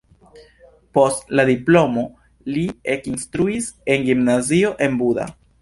Post la diplomo li ekinstruis en gimnazio en Buda.